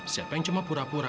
siapa yang cuma pura pura